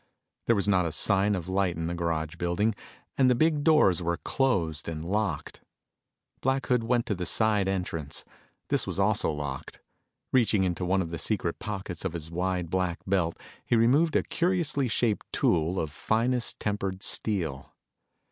There was not a sign of light in the garage building, and the big doors were closed and locked. Black Hood went to the side entrance. This also was locked. Reaching into one of the secret pockets of his wide black belt he removed a curiously shaped tool of finest tempered steel.